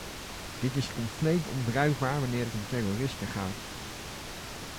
Dit is compleet onbruikbaar wanneer het om terroristen gaat.